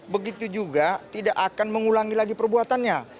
begitu juga tidak akan mengulangi lagi perbuatannya